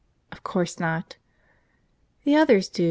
"Of course not!" "The others do.